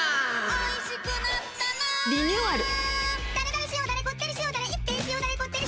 おいしくなったなリニューアル。